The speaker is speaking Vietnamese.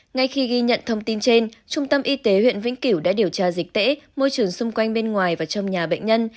ngay khi ghi nhận thông tin trên trung tâm y tế huyện vĩnh cửu đã điều tra dịch tễ môi trường xung quanh bên ngoài và trong nhà bệnh nhân